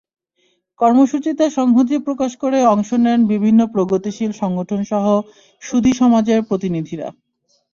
কর্মসূচিতে সংহতি প্রকাশ করে অংশ নেন বিভিন্ন প্রগতিশীল সংগঠনসহ সুধী সমাজের প্রতিনিধিরা।